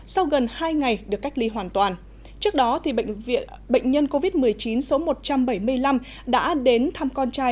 sau gần hai ngày được cách ly hoàn toàn trước đó bệnh nhân covid một mươi chín số một trăm bảy mươi năm đã đến thăm con trai